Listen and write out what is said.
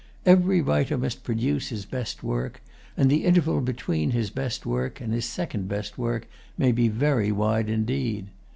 Every writer must produce his best work; and the interval between his best work and his second best work may be very wide indeed.